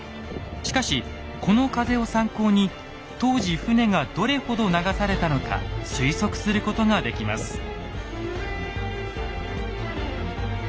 しかしこの風を参考に当時船がどれほど流されたのか推測することができます。